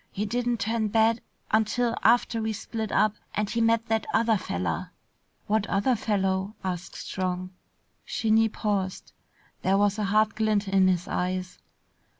He didn't turn bad until after we split up and he met that other feller." "What other fellow?" asked Strong. Skinny paused. There was a hard glint in his eyes.